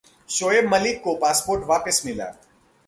शोएब मलिक को पासपोर्ट वापिस मिला